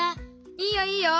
いいよいいよ。